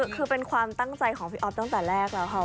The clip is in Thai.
คือเป็นความตั้งใจของพี่อ๊อฟตั้งแต่แรกแล้วค่ะ